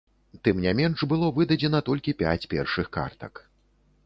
Тым не менш было выдадзена толькі пяць першых картак.